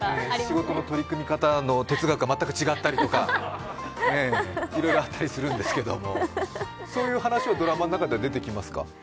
仕事の取り組み方の哲学が全く違ったりとかいろいろあったりするんですけれどもそういう話もドラマの中で出てきますか？